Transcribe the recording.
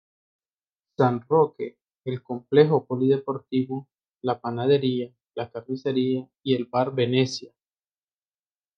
San Roque, el complejo polideportivo, la panadería, la carnicería y el bar Venecia.